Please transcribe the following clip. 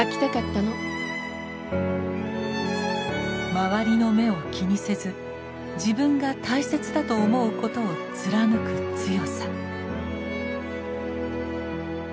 周りの目を気にせず自分が大切だと思うことを貫く強さ。